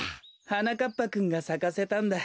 はなかっぱくんがさかせたんだ。